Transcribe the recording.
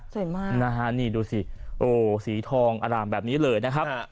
มากนะฮะนี่ดูสิโอ้สีทองอร่ามแบบนี้เลยนะครับ